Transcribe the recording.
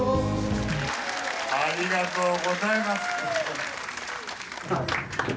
ありがとうございます。